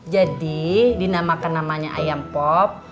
jadi dinamakan namanya ayam pop